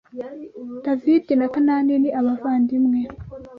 Davidi na kanani ni abavandimwe